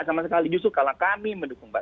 sama sekali justru kalau kami mendukung pak